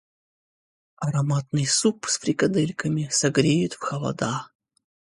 Ароматный суп с фрикадельками согреет в холода.